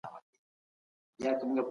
ايا مينه او ورورولي د خوښ ژوند راز دی؟